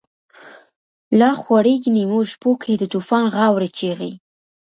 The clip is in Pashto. لاخوریږی نیمو شپو کی، دتوفان غاوری چیغی